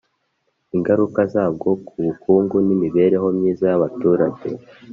ingaruka zabwo ku bukungu n'imibereho myiza y'abaturage,